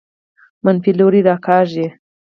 منفي لوري راکاږي.